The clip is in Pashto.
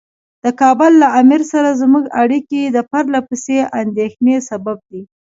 د کابل له امیر سره زموږ اړیکې د پرله پسې اندېښنې سبب دي.